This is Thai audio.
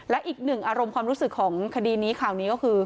และอีกหนึ่งอารมณ์ความรู้สึกของคดีนี้ข่าวนี้ก็คือ